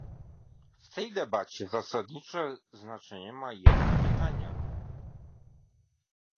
W tej debacie zasadnicze znaczenie ma jedno pytanie